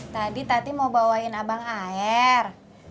tadi tati mau bawain abang air